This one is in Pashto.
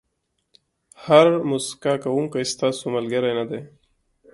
هر موسکا کوونکی ستاسو ملګری نه دی.